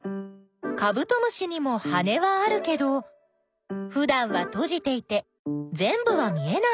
カブトムシにも羽はあるけどふだんはとじていてぜんぶは見えないね。